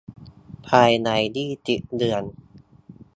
ภายใน ยี่สิบ เดือน